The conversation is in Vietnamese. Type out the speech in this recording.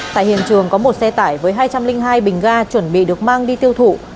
tại hiện trường có một xe tải với hai trăm linh hai bình ga chuẩn bị được mang đi tiêu thụ